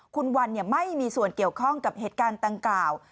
คุณวันไม่มีส่วนเกี่ยวข้องกับเหตุการณ์ดังกล่าว